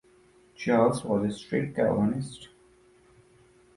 Charles was a strict Calvinist.